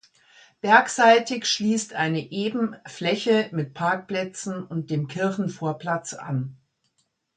Bergseitig schliesst eine eben Fläche mit Parkplätzen und dem Kirchenvorplatz an.